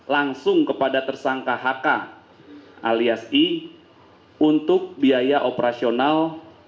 langsung kepada tersangka hk alias i untuk biaya operasional